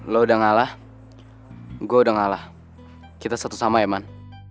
lo udah ngalah gue udah ngalah kita satu sama ya man